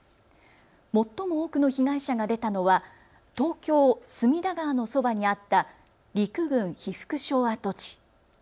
最も多くの被害者が出たのは東京隅田川のそばにあった陸軍被服廠跡地。